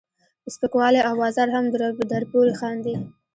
سپکوالی او بازار هم درپورې خاندي.